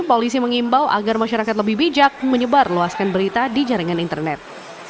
polisi mengimbau agar masyarakat lebih bijak menyebar luaskan berita di jaringan internet